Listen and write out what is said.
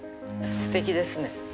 すてきですね。